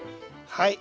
はい。